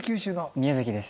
宮崎です。